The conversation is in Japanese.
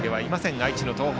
愛知の東邦。